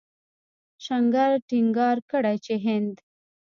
شنکر ټينګار کړی چې هند